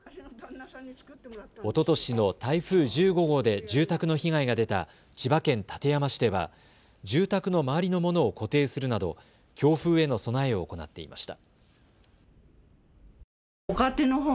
おととしの台風１５号で住宅の被害が出た千葉県館山市では住宅の周りのものを固定するなど強風への備えを行っていました。